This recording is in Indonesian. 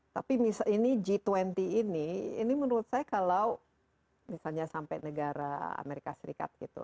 tapi ini g dua puluh ini ini menurut saya kalau misalnya sampai negara amerika serikat gitu